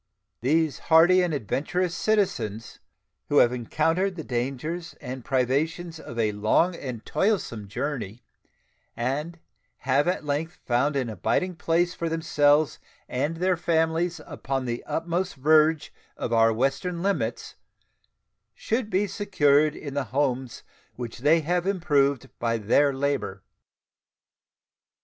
These hardy and adventurous citizens, who have encountered the dangers and privations of a long and toilsome journey, and have at length found an abiding place for themselves and their families upon the utmost verge of our western limits, should be secured in the homes which they have improved by their labor.